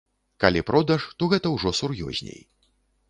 Калі продаж, то гэта ўжо сур'ёзней.